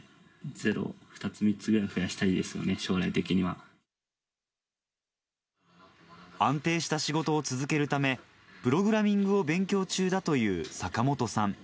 ０を２つ、３つぐらい増やしたい安定した仕事を続けるため、プログラミングを勉強中だという坂本さん。